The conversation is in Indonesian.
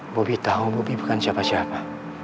bobby tau bobby bukan capa capa